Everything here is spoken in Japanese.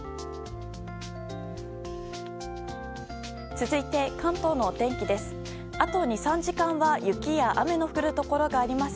続いて、関東の天気です。